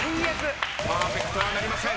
パーフェクトはなりません。